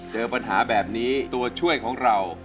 เจอปัญหาแบบนี้ตัวช่วยของเรา